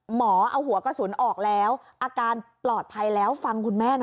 หมอเอาหัวกระสุนออกแล้วอาการปลอดภัยแล้วฟังคุณแม่หน่อย